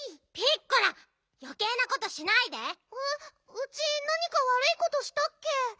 ウチなにかわるいことしたっけ？